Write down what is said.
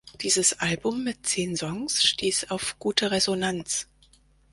Dieses Album mit zehn Songs stieß auf gute Resonanz.